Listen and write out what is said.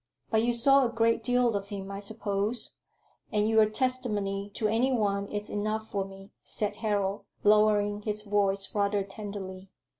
But you saw a great deal of him, I suppose, and your testimony to any one is enough for me," said Harold, lowering his voice rather tenderly.